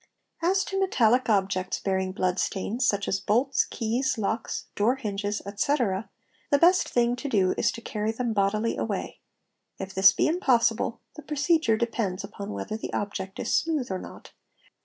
| As to metallic objects bearing blood stains, such as bolts, keys, locks, . i door hinges, etc., the best thing to do is to carry them bodily away; if | this be impossible, the procedure depends upon whether the object is | smooth or not.